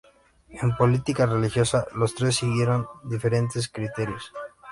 En política religiosa los tres siguieron diferentes criterios.